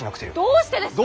どうしてですか！